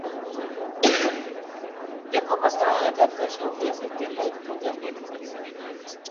Jacob akawa anatafuta shelfu ya septemba elfu moja mia tisa tisini na nne